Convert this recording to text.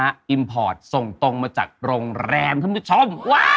เอาเทอร์ส่งตรงมาจากโรงแรมครับท่านผู้ชม